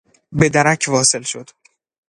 به درک واصل شد.